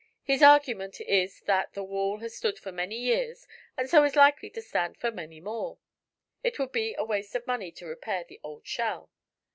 His argument is that the wall has stood for many years and so is likely to stand for many more; it would be a waste of money to repair the old shell.